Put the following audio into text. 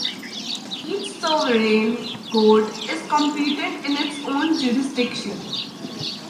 Each sovereign court is competent in its own jurisdiction.